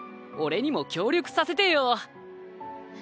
俺にも協力させてよ。